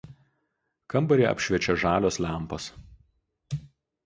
Kambarį apšviečia žalios lempos.